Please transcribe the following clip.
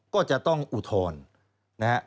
ก็จะต้องอุทธรณ์